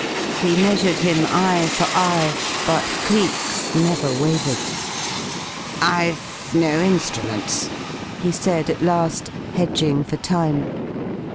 He measured him, eye for eye, but Cleek's never wavered. "I've no instruments," he said at last, hedging for time.